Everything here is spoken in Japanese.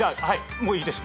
もういいです。